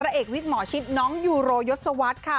เอกวิทย์หมอชิดน้องยูโรยศวรรษค่ะ